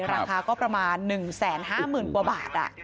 ราคาก็ประมาณหนึ่งแสนห้าหมื่นกว่าบาท